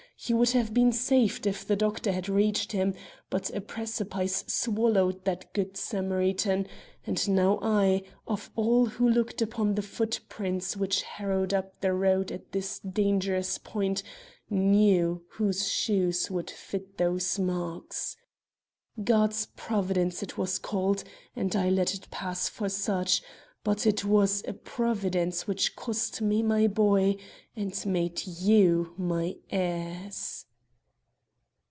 He would have been saved if the doctor had reached him; but a precipice swallowed that good Samaritan, and only I, of all who looked upon the footprints which harrowed up the road at this dangerous point, knew whose shoes would fit those marks. God's providence, it was called, and I let it pass for such; but it was a providence which cost me my boy and made you my heirs."